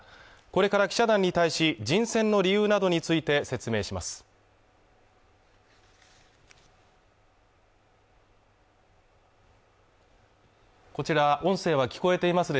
これから記者団に対し人選の理由などについて説明します